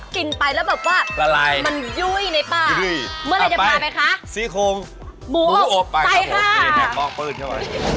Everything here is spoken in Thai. กินไปแล้วแบบว่ามันยุ้ยในป้าเมื่อไหร่จะพาไปคะสีโครงหมูอบไปครับผมโปร่งปืนเช่าไว้